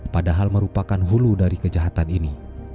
padahal merupakan hulu dari kejahatan ini